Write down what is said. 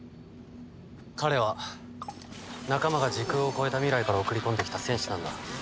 彼は仲間が時空を超えた未来から送り込んできた戦士なんだ。